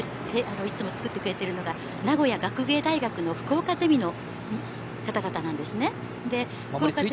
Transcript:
料理をいつも作ってくれているのが名古屋学芸大学の福岡ゼミの方々なんですね。